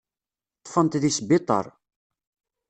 Ṭṭfen-t deg sbiṭar.